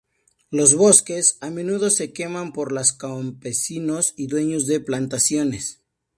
Los bosques a menudo se queman por los campesinos y dueños de plantaciones.